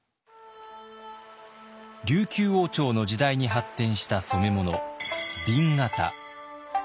琉球王朝の時代に発展した染物紅型。